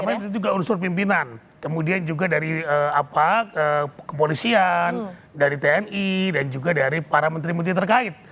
tapi itu juga unsur pimpinan kemudian juga dari kepolisian dari tni dan juga dari para menteri menteri terkait